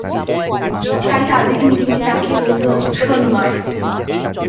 তাই তার দিকে মিটিমিটি তাকিয়ে বলল, শোন উমাইর!